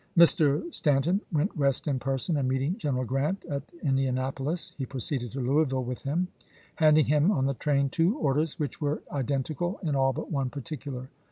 Mr. Stan ton went west in person, and meeting General Grant at Indianapolis, he proceeded to Louisville with him, handing him on the train two orders which were identical in all but one particular.